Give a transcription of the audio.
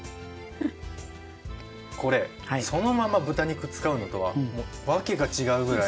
これそのまま豚肉使うのとはもう訳が違うぐらい。